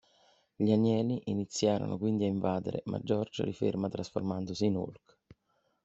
Gli alieni iniziano quindi a invadere, ma George li ferma trasformandosi in Hulk.